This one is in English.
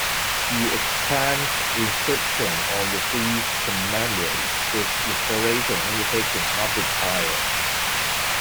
The extant inscription on the frieze commemorates this restoration undertaken after the fire.